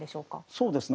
そうですね